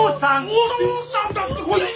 お父さんだってこいつ！